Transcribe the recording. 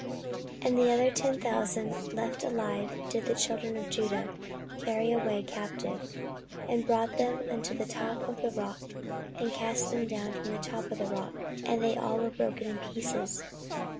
14:025:012 And other ten thousand left alive did the children of Judah carry away captive, and brought them unto the top of the rock, and cast them down from the top of the rock, that they all were broken in pieces.